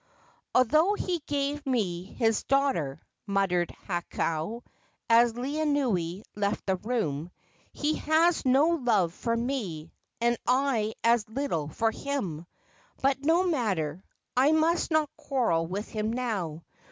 "Although he gave me his daughter," muttered Hakau, as Laeanui left the room, "he has no love for me, and I as little for him. But no matter; I must not quarrel with him now.